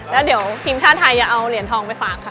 แล้วเดี๋ยวทีมชาติไทยจะเอาเหรียญทองไปฝากค่ะ